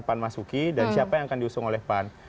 siapa yang akan masuki dan siapa yang akan diusung oleh pan